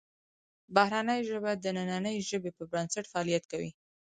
بهرنۍ ژبه د دنننۍ ژبې پر بنسټ فعالیت کوي